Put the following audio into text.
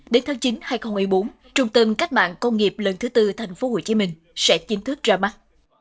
đến tháng chín hai nghìn một mươi bốn trung tâm cách mạng công nghiệp lần thứ tư tp hcm sẽ chính thức ra mắt